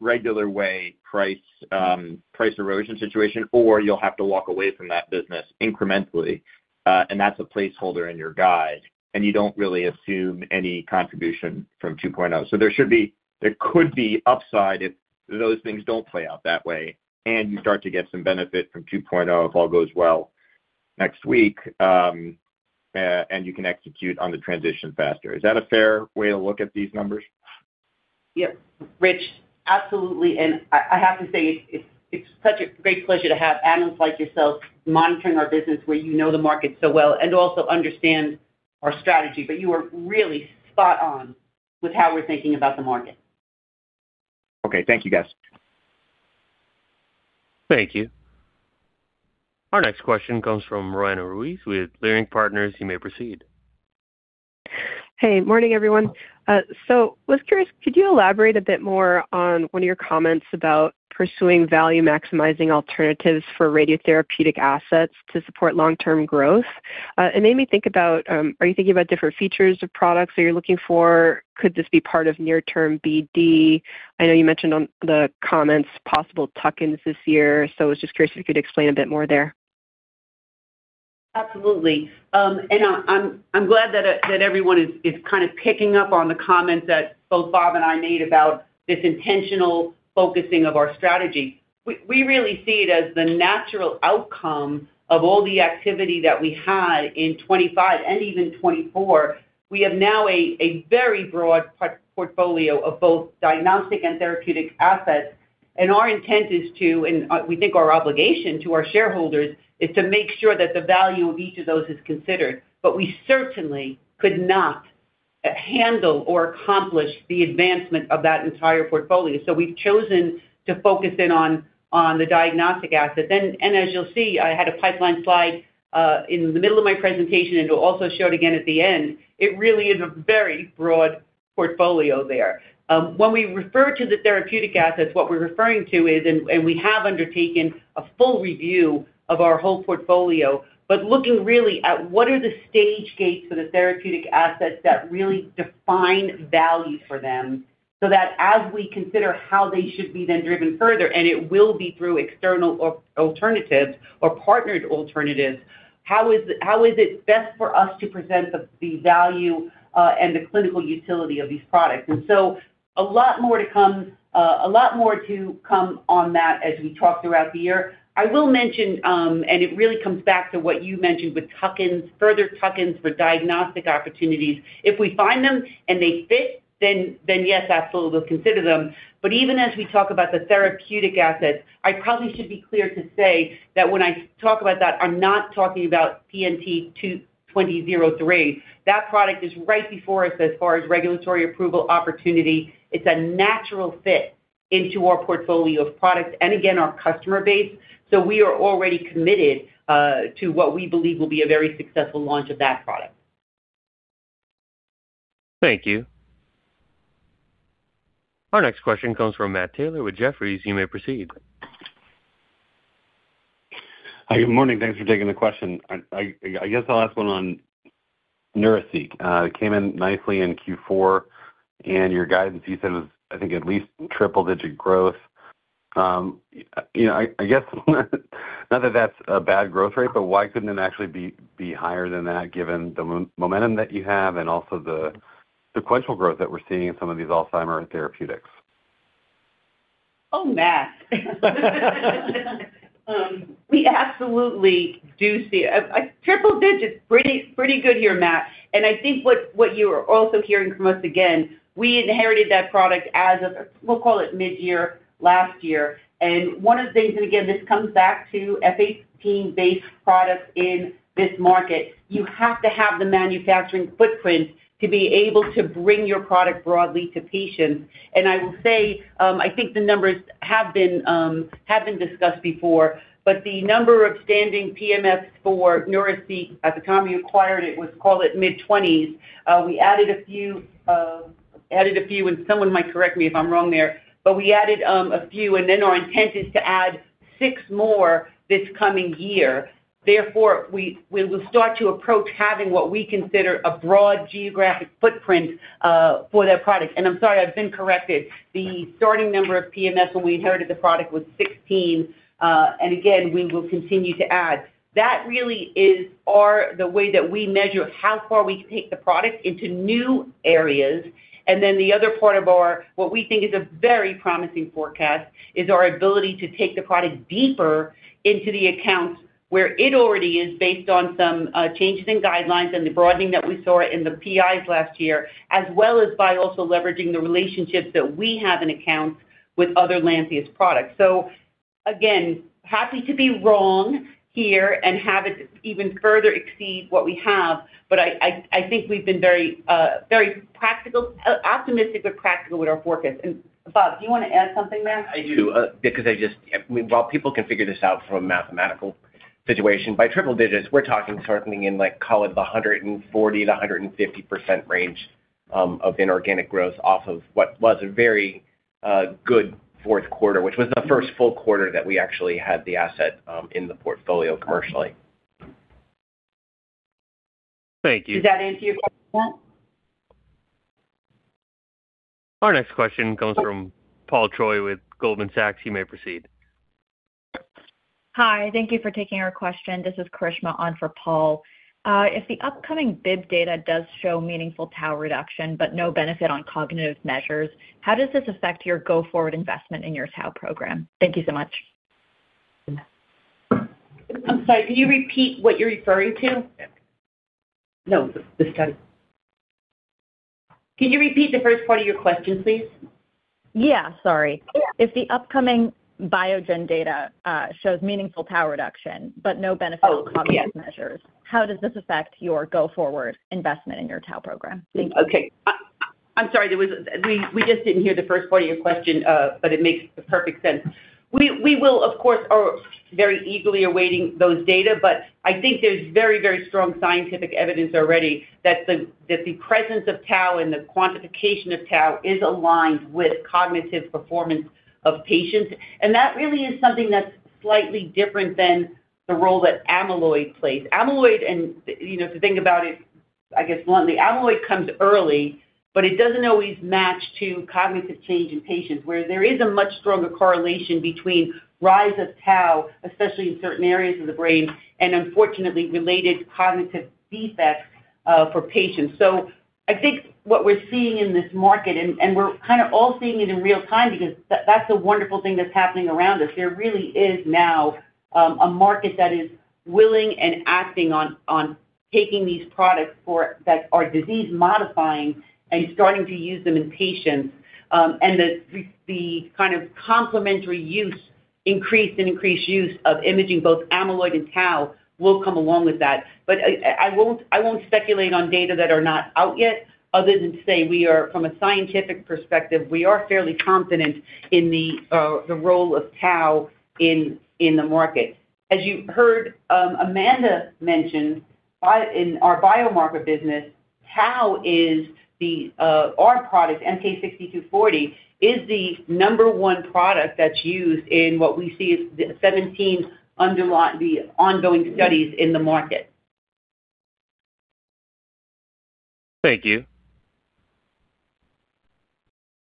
regular way price price erosion situation, or you'll have to walk away from that business incrementally. That's a placeholder in your guide, and you don't really assume any contribution from 2.0. There could be upside if those things don't play out that way, and you start to get some benefit from 2.0, if all goes well next week, and you can execute on the transition faster. Is that a fair way to look at these numbers? Yep. Rich, absolutely. I have to say, it's such a great pleasure to have analysts like yourself monitoring our business where you know the market so well and also understand our strategy. You are really spot on with how we're thinking about the market. Okay. Thank you, guys. Thank you. Our next question comes from Roanna Ruiz with Leerink Partners. You may proceed. Hey, morning, everyone. Was curious, could you elaborate a bit more on one of your comments about pursuing value-maximizing alternatives for radiotherapeutic assets to support long-term growth? It made me think about, are you thinking about different features of products that you're looking for? Could this be part of near-term BD? I know you mentioned on the comments, possible tuck-ins this year, I was just curious if you could explain a bit more there. Absolutely. I'm glad that everyone is kind of picking up on the comments that both Rob and I made about this intentional focusing of our strategy. We really see it as the natural outcome of all the activity that we had in 25 and even 24. We have now a very broad portfolio of both diagnostic and therapeutic assets, our intent is to, and we think our obligation to our shareholders, is to make sure that the value of each of those is considered. We certainly could not handle or accomplish the advancement of that entire portfolio. We've chosen to focus in on the diagnostic asset then. As you'll see, I had a pipeline slide in the middle of my presentation, it will also show it again at the end. It really is a very broad portfolio there. When we refer to the therapeutic assets, what we're referring to is, and we have undertaken a full review of our whole portfolio, but looking really at what are the stage gates for the therapeutic assets that really define value for them, so that as we consider how they should be then driven further, and it will be through external or alternatives or partnered alternatives, how is it best for us to present the value and the clinical utility of these products? A lot more to come, a lot more to come on that as we talk throughout the year. I will mention, and it really comes back to what you mentioned with tuck-ins, further tuck-ins for diagnostic opportunities. If we find them and they fit, then, yes, absolutely, we'll consider them. Even as we talk about the therapeutic assets, I probably should be clear to say that when I talk about that, I'm not talking about PNT2003. That product is right before us as far as regulatory approval opportunity. It's a natural fit into our portfolio of products and, again, our customer base. We are already committed to what we believe will be a very successful launch of that product. Thank you. Our next question comes from Matt Taylor with Jefferies. You may proceed. Hi, good morning. Thanks for taking the question. I guess I'll ask one on Neuraceq. It came in nicely in Q4, and your guidance, you said, it was, I think, at least triple-digit growth. You know, I guess, not that that's a bad growth rate, but why couldn't it actually be higher than that, given the momentum that you have and also the sequential growth that we're seeing in some of these Alzheimer therapeutics? Matt. We absolutely do see... triple digits, pretty good to hear, Matt. I think what you are also hearing from us, again, we inherited that product as of, we'll call it, midyear last year. One of the things, again, this comes back to F-18-based products in this market, you have to have the manufacturing footprint to be able to bring your product broadly to patients. I will say, I think the numbers have been discussed before, but the number of standing PMF for Neuraceq at the time we acquired it was, call it, mid-20s. We added a few, and someone might correct me if I'm wrong there, but we added a few, and then our intent is to add six more this coming year. Therefore, we will start to approach having what we consider a broad geographic footprint for that product. I'm sorry, I've been corrected. The starting number of PMF when we inherited the product was 16, and again, we will continue to add. That really is our the way that we measure how far we can take the product into new areas. The other part of our, what we think is a very promising forecast, is our ability to take the product deeper into the accounts where it already is based on some changes in guidelines and the broadening that we saw in the PIs last year, as well as by also leveraging the relationships that we have in accounts with other Lantheus products. Happy to be wrong here and have it even further exceed what we have, but I think we've been very practical, optimistic, but practical with our forecast. Rob, do you want to add something there? I do, because well, people can figure this out from a mathematical situation. By triple digits, we're talking certainly in, like, call it the 140%-150% range of inorganic growth off of what was a very good fourth quarter, which was the first full quarter that we actually had the asset in the portfolio commercially. Thank you. Does that answer your question? Our next question comes from Paul Choi with Goldman Sachs. You may proceed. Hi, thank you for taking our question. This is Karishma on for Paul. If the upcoming Biogen data does show meaningful tau reduction, but no benefit on cognitive measures, how does this affect your go-forward investment in your tau program? Thank you so much. I'm sorry, could you repeat what you're referring to? No, the study. Can you repeat the first part of your question, please? Yeah, sorry. If the upcoming Biogen data shows meaningful tau reduction, but no benefit- Oh, yes. -on cognitive measures, how does this affect your go-forward investment in your tau program? Thank you. Okay. I'm sorry, there was, we just didn't hear the first part of your question, but it makes the perfect sense. We will, of course, are very eagerly awaiting those data, but I think there's very, very strong scientific evidence already that the presence of tau and the quantification of tau is aligned with cognitive performance of patients. That really is something that's slightly different than the role that amyloid plays. Amyloid, and, you know, to think about it, I guess, bluntly, amyloid comes early, but it doesn't always match to cognitive change in patients, where there is a much stronger correlation between rise of tau, especially in certain areas of the brain, and unfortunately, related cognitive defects for patients. I think what we're seeing in this market, and we're kind of all seeing it in real time because that's the wonderful thing that's happening around us. There really is now a market that is willing and acting on taking these products that are disease-modifying and starting to use them in patients. The kind of complementary use increased use of imaging, both amyloid and tau, will come along with that. I won't speculate on data that are not out yet, other than to say we are, from a scientific perspective, we are fairly confident in the role of tau in the market. As you heard, Amanda mention, in our biomarker business, tau is our product, MK-6240, is the number one product that's used in what we see as the 17 underlying, the ongoing studies in the market. Thank you.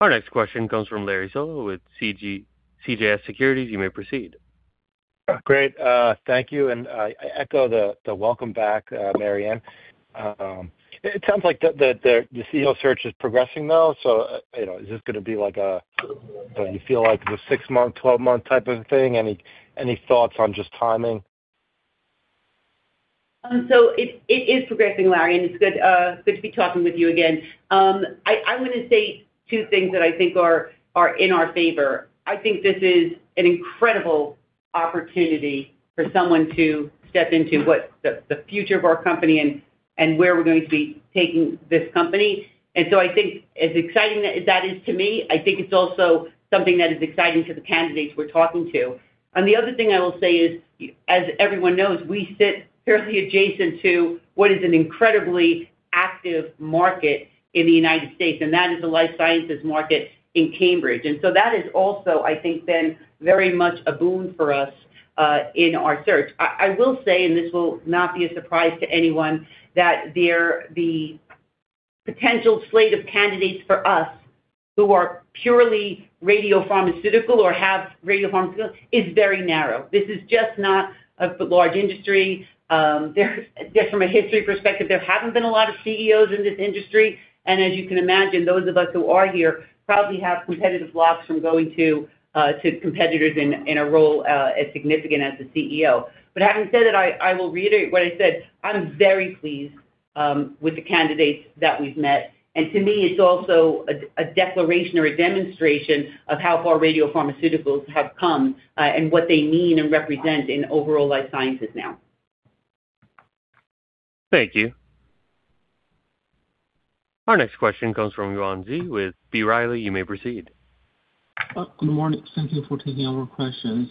Our next question comes from Larry Solow with CJS Securities. You may proceed. Great, thank you, I echo the welcome back, Mary Anne. It sounds like the CEO search is progressing though. You know, is this gonna be like a, do you feel like it's a six-months, 12-months type of thing? Any thoughts on just timing? It, it is progressing, Larry, and it's good to be talking with you again. I'm gonna say two things that I think are in our favor. I think this is an incredible opportunity for someone to step into what the future of our company and where we're going to be taking this company. I think as exciting as that is to me, I think it's also something that is exciting to the candidates we're talking to. The other thing I will say is, as everyone knows, we sit fairly adjacent to what is an incredibly active market in the United States, and that is the life sciences market in Cambridge. That is also, I think, been very much a boon for us in our search. I will say, this will not be a surprise to anyone, that the potential slate of candidates for us who are purely radiopharmaceutical or have radiopharmaceutical, is very narrow. This is just not a large industry. There, just from a history perspective, there haven't been a lot of CEOs in this industry. As you can imagine, those of us who are here probably have competitive blocks from going to competitors in a role as significant as the CEO. Having said that, I will reiterate what I said, I'm very pleased with the candidates that we've met, and to me, it's also a declaration or a demonstration of how far radiopharmaceuticals have come, and what they mean and represent in overall life sciences now. Thank you. Our next question comes from Yuan Zhi with B. Riley. You may proceed. Good morning. Thank you for taking our questions.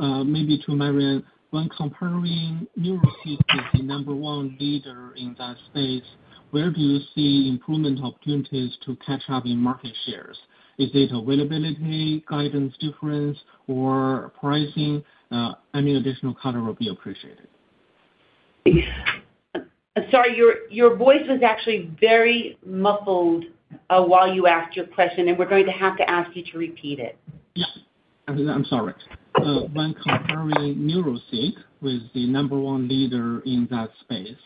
Maybe to Mary Anne, when comparing Neuraceq to the number one leader in that space, where do you see improvement opportunities to catch up in market shares? Is it availability, guidance, difference, or pricing? Any additional color will be appreciated. Sorry, your voice was actually very muffled, while you asked your question, and we're going to have to ask you to repeat it. Yes, I'm sorry. When comparing Neuraceq with the number one leader in that space,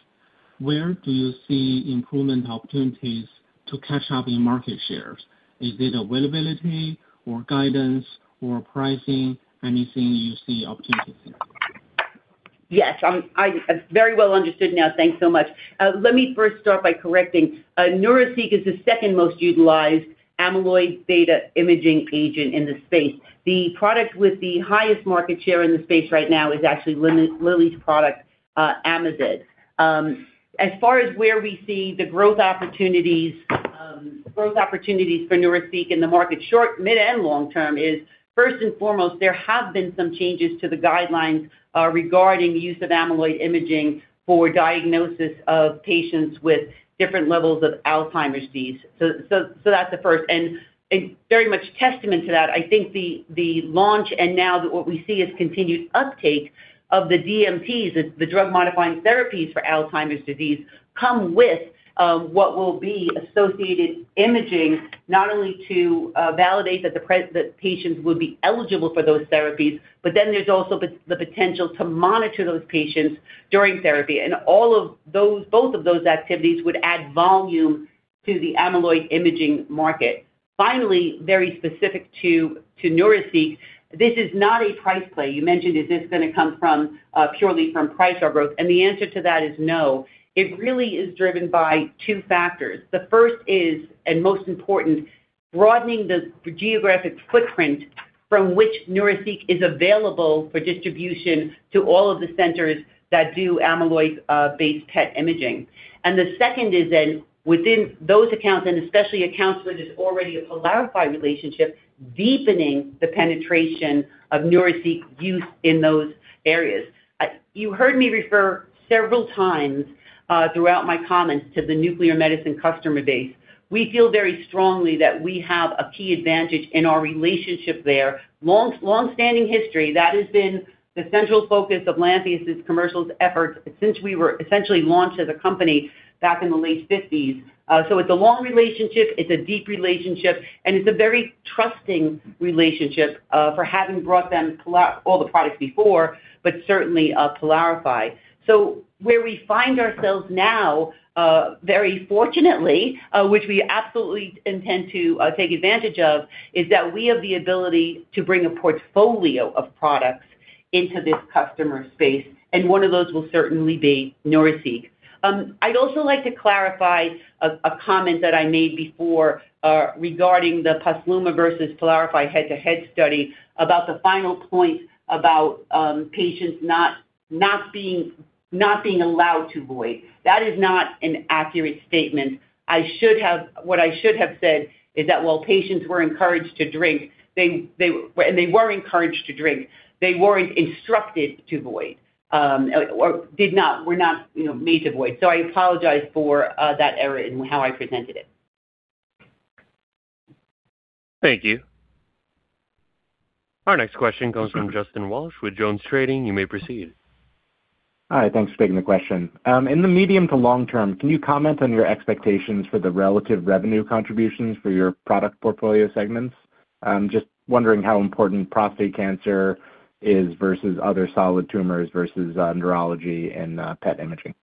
where do you see improvement opportunities to catch up in market shares? Is it availability or guidance or pricing? Anything you see opportunities in? Very well understood now. Thanks so much. Let me first start by correcting. Neuraceq is the second most utilized beta-amyloid imaging agent in the space. The product with the highest market share in the space right now is actually Lilly's product, Amyvid. As far as where we see the growth opportunities, growth opportunities for Neuraceq in the market, short, mid, and long term is, first and foremost, there have been some changes to the guidelines regarding the use of beta-amyloid imaging for diagnosis of patients with different levels of Alzheimer's disease. That's the first, and it's very much testament to that. I think the launch and now that what we see is continued uptake of the DMTs, the drug modifying therapies for Alzheimer's disease, come with what will be associated imaging, not only to validate that the patients would be eligible for those therapies, but then there's also the potential to monitor those patients during therapy. All of those, both of those activities would add volume to the amyloid imaging market. Finally, very specific to Neuraceq, this is not a price play. You mentioned, is this gonna come from purely from price or growth? The answer to that is no. It really is driven by two factors. The first is, and most important, broadening the geographic footprint from which Neuraceq is available for distribution to all of the centers that do amyloid based PET imaging. The second is, within those accounts, and especially accounts with this already a PYLARIFY relationship, deepening the penetration of Neuraceq use in those areas. You heard me refer several times throughout my comments to the nuclear medicine customer base. We feel very strongly that we have a key advantage in our relationship there. Long, longstanding history, that has been the central focus of Lantheus's commercials efforts since we were essentially launched as a company back in the late 50s. It's a long relationship, it's a deep relationship, and it's a very trusting relationship for having brought them all the products before, but certainly PYLARIFY. Where we find ourselves now, very fortunately, which we absolutely intend to take advantage of, is that we have the ability to bring a portfolio of products. into this customer space. One of those will certainly be Neuraceq. I'd also like to clarify a comment that I made before, regarding the POSLUMA versus PYLARIFY head-to-head study about the final point about patients not being allowed to void. That is not an accurate statement. What I should have said is that while patients were encouraged to drink, they and they were encouraged to drink, they weren't instructed to void, or did not, were not, you know, made to void. I apologize for that error in how I presented it. Thank you. Our next question comes from Justin Walsh with JonesTrading. You may proceed. Hi, thanks for taking the question. In the medium to long term, can you comment on your expectations for the relative revenue contributions for your product portfolio segments? Just wondering how important prostate cancer is versus other solid tumors versus neurology and PET imaging.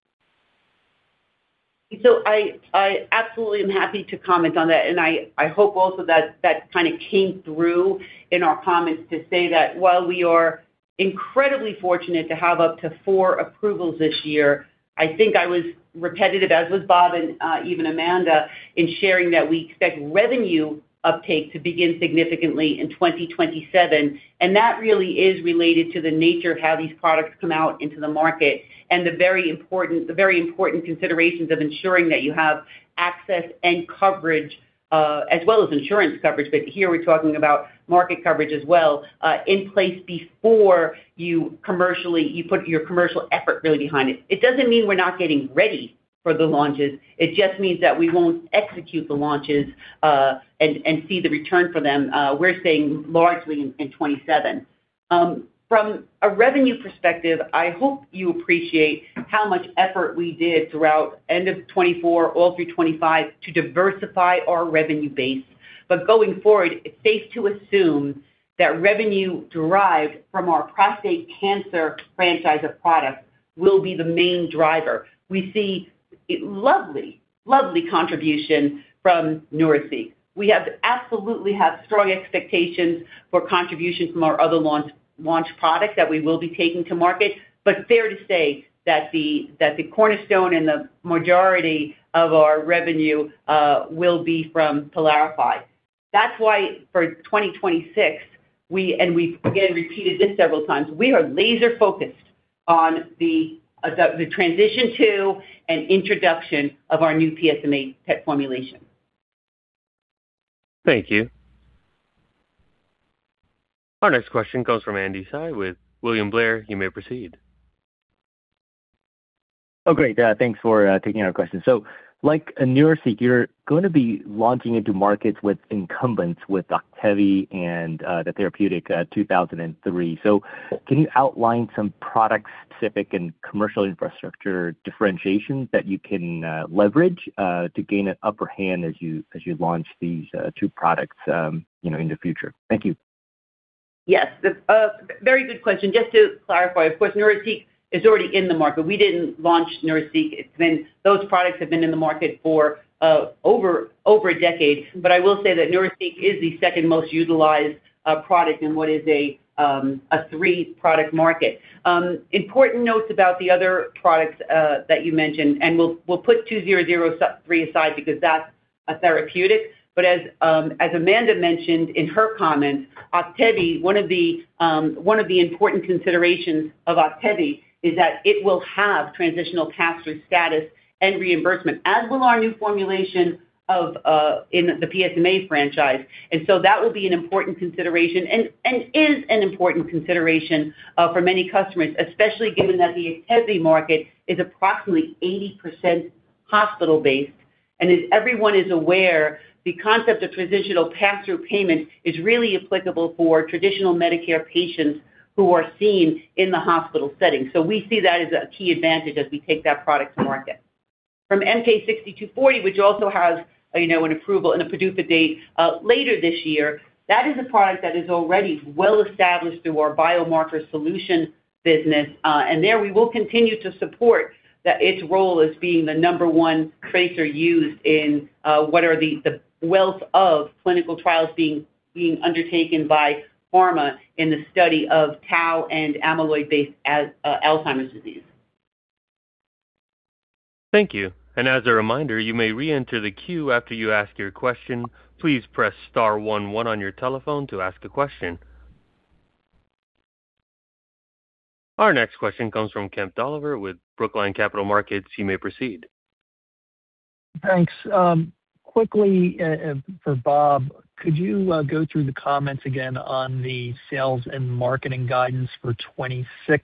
I absolutely am happy to comment on that, I hope also that kind of came through in our comments to say that while we are incredibly fortunate to have up to four approvals this year, I think I was repetitive, as was Rob and even Amanda, in sharing that we expect revenue uptake to begin significantly in 2027. That really is related to the nature of how these products come out into the market. The very important considerations of ensuring that you have access and coverage, as well as insurance coverage, but here we're talking about market coverage as well, in place before you commercially, you put your commercial effort really behind it. It doesn't mean we're not getting ready for the launches; it just means that we won't execute the launches, and see the return for them, we're saying largely in 2027. From a revenue perspective, I hope you appreciate how much effort we did throughout end of 2024, all through 2025 to diversify our revenue base. Going forward, it's safe to assume that revenue derived from our prostate cancer franchise of products will be the main driver. We see lovely contribution from Neuraceq. We have, absolutely have strong expectations for contribution from our other launch products that we will be taking to market. Fair to say that the cornerstone and the majority of our revenue will be from PYLARIFY. That's why for 2026, we... We again repeated this several times, we are laser-focused on the transition to and introduction of our new PSMA PET formulation. Thank you. Our next question comes from Andy Hsieh with William Blair. You may proceed. Great, thanks for taking our question. Like a Neuraceq, you're going to be launching into markets with incumbents with Pluvicto and the PNT2003. Can you outline some product-specific and commercial infrastructure differentiations that you can leverage to gain an upper hand as you launch these two products, you know, in the future? Thank you. Yes, the very good question. Just to clarify, of course, Neuraceq is already in the market. We didn't launch Neuraceq. Those products have been in the market for over a decade. I will say that Neuraceq is the second most utilized product in what is a three-product market. Important notes about the other products that you mentioned, we'll put PNT2003 aside because that's a therapeutic. As Amanda mentioned in her comments, Pluvicto, one of the important considerations of Pluvicto is that it will have transitional pass-through status and reimbursement, as will our new formulation in the PSMA franchise. That will be an important consideration and is an important consideration for many customers, especially given that the Pluvicto market is approximately 80% hospital-based. As everyone is aware, the concept of transitional pass-through payment is really applicable for traditional Medicare patients who are seen in the hospital setting. We see that as a key advantage as we take that product to market. From MK-6240, which also has, you know, an approval and a PDUFA date later this year, that is a product that is already well established through our biomarker solution business, and there we will continue to support that its role as being the number one tracer used in what are the wealth of clinical trials being undertaken by pharma in the study of tau and amyloid-based Alzheimer's disease. Thank you. As a reminder, you may reenter the queue after you ask your question. Please press star one one on your telephone to ask a question. Our next question comes from Kemp Dolliver with Brookline Capital Markets. You may proceed. Thanks. quickly, for Rob, could you go through the comments again on the sales and marketing guidance for 2026?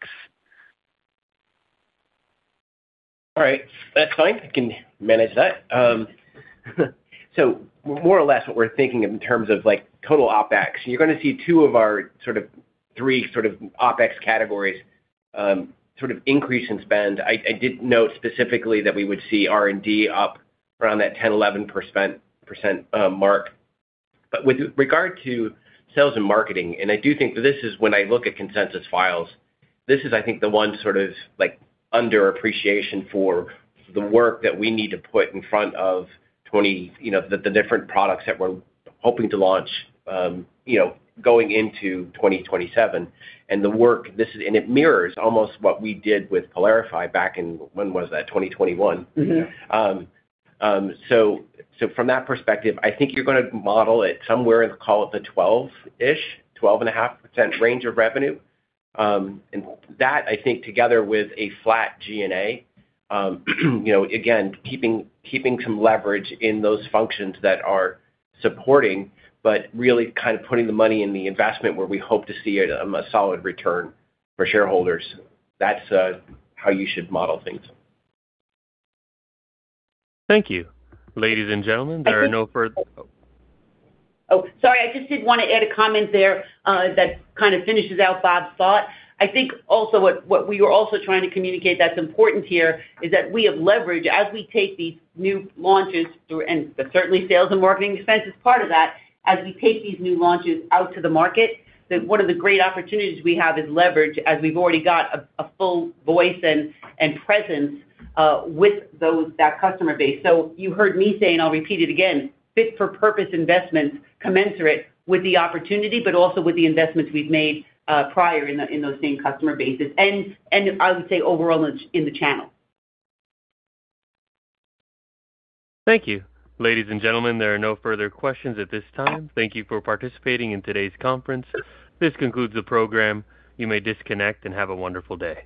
All right. That's fine. I can manage that. More or less what we're thinking of in terms of like total OpEx, you're gonna see two of our sort of three sort of OpEx categories, sort of increase in spend. I did note specifically that we would see R&D up around that 10%-11% mark. With regard to sales and marketing, and I do think that this is when I look at consensus files, this is, I think, the one sort of like underappreciation for the work that we need to put in front of 20, you know, the different products that we're hoping to launch, you know, going into 2027. The work and it mirrors almost what we did with PYLARIFY back in, when was that? 2021. Mm-hmm. From that perspective, I think you're gonna model it somewhere in, call it the 12-ish, 12.5% range of revenue. That, I think, together with a flat G&A, you know, again, keeping some leverage in those functions that are supporting, but really kind of putting the money in the investment where we hope to see a solid return for shareholders. That's how you should model things. Thank you. Ladies and gentlemen, there are no further- Oh, sorry. I just did want to add a comment there, that kind of finishes out Rob's thought. I think also what we were also trying to communicate that's important here is that we have leverage as we take these new launches through, and certainly sales and marketing expense is part of that, as we take these new launches out to the market, that one of the great opportunities we have is leverage, as we've already got a full voice and presence, with those, that customer base. You heard me say, and I'll repeat it again, fit for purpose investments commensurate with the opportunity, but also with the investments we've made, prior in those same customer bases. I would say overall in the channel. Thank you. Ladies and gentlemen, there are no further questions at this time. Thank you for participating in today's conference. This concludes the program. You may disconnect and have a wonderful day.